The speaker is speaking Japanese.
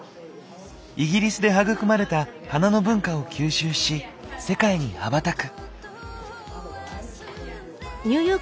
イギリスで育まれた花の文化を吸収し世界に羽ばたく。